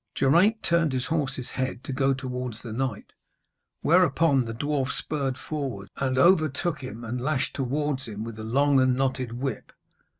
Geraint turned his horse's head to go towards the knight, whereupon the dwarf spurred forward and overtook him and lashed towards him with the long and knotted whip.